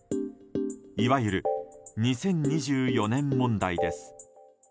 いわゆる２０２４年問題です。